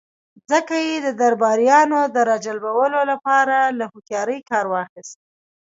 ځکه يې د درباريانو د را جلبولو له پاره له هوښياری کار واخيست.